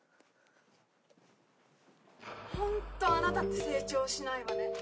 ホントあなたって成長しないわね。